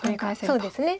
そうですね